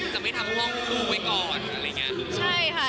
ใช่ค่ะใช่ค่ะ